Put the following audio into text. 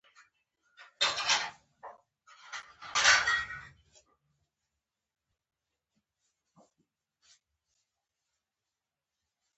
کوږ نیت خلک بې اعتماده کوي